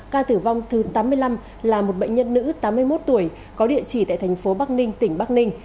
ca tử vong thứ tám mươi năm là một bệnh nhân nữ tám mươi một tuổi có địa chỉ tại thành phố bắc ninh tỉnh bắc ninh